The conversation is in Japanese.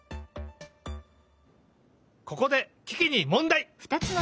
ここでキキにもんだい！